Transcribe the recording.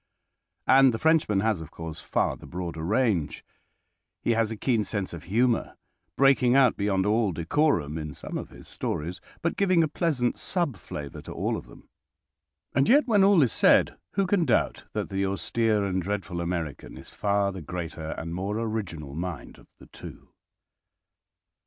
And the Frenchman has, of course, far the broader range. He has a keen sense of humour, breaking out beyond all decorum in some of his stories, but giving a pleasant sub flavour to all of them. And yet, when all is said, who can doubt that the austere and dreadful American is far the greater and more original mind of the two?